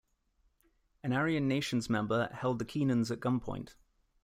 An Aryan Nations member held the Keenans at gunpoint.